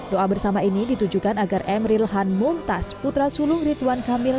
doa bersama ini ditujukan agar emril han muntas putra sulung rituan kamil